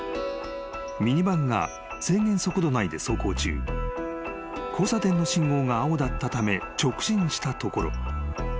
［ミニバンが制限速度内で走行中交差点の信号が青だったため直進したところ］